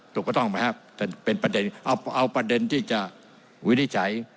ถูกต้องไหมครับเป็นประเด็นเอาประเด็นที่จะวินิจฉัย